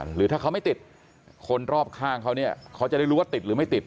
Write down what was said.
หรือถ้าเขาไม่ติดคนรอบข้างเขาเนี่ยเขาจะได้รู้ว่าติดหรือไม่ติด